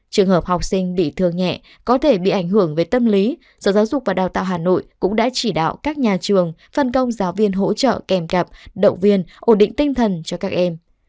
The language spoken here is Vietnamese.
trường hợp học sinh bị thương nhẹ có thể bị ảnh hưởng về tâm lý sở giáo dục và đào tạo hà nội cũng đã chỉ đạo các nhà trường phân công giáo viên hỗ trợ kèm cặp động viên ổn định tinh thần cho các em